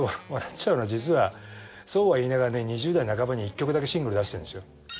笑っちゃうのは実はそうは言いながらね２０代半ばに１曲だけシングル出してんですよ